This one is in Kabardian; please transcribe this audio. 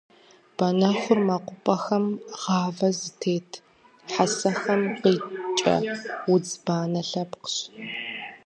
Банэхур мэкъупӏэхэм, гъавэ зытет хьэсэхэм къикӏэ удз банэ лъэпкъщ.